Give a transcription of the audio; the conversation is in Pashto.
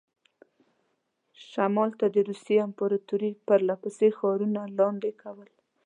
شمال ته د روسیې امپراطوري پرله پسې ښارونه لاندې کول.